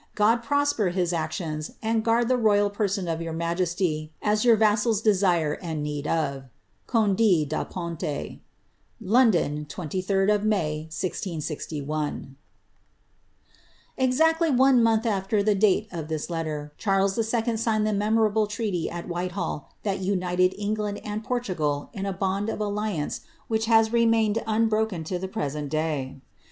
God prosper his actions, and guard the royal person of your majesty, as your vassals desire and have need oC Co]fDK BA PaXTI. *• London, 23d May, 1661/' > Exactly one month after the date of this letter, king Charlei ]L 8igne<l the memorable treaty at Whitehall, that united England and Portugal in a bond of alliance which has remained unbroken to the present day.